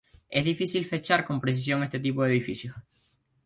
Es difícil fechar con precisión este tipo de edificios.